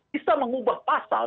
bisa mengubah pasal